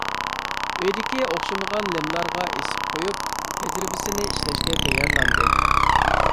ئۆيدىكى ئوخشىمىغان لىملارغا ئېسىپ قويۇپ، تەجرىبىسىنى ئىشلەشكە تەييارلاندى.